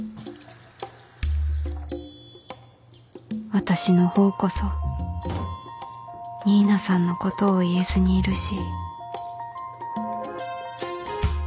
私の方こそ新名さんのことを言えずにいるし